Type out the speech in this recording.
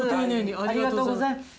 ありがとうございます。